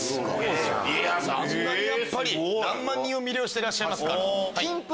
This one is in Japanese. やっぱり何万人を魅了してらっしゃいますから。